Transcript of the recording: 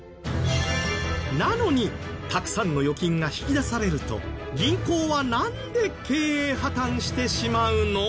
なのにたくさんの預金が引き出されると銀行はなんで経営破たんしてしまうの？